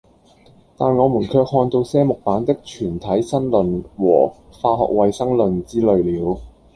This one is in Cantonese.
但我們卻看到些木版的《全體新論》和《化學衛生論》之類了。